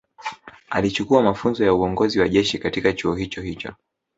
Alichukua mafunzo ya uongozi wa jeshi katika chuo hicho hicho